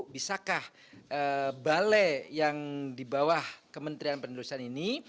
bisakah balai yang di bawah kementerian pendudukan ini